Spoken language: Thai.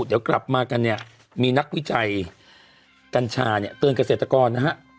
เดี๋ยวกลับมากันเนี่ยมีนักวิจัยกัญชาเนี่ยเตือนเกษตรกรนะฮะ